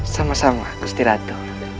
sama sama gusti ratu